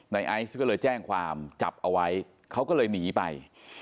ไอซ์ก็เลยแจ้งความจับเอาไว้เขาก็เลยหนีไป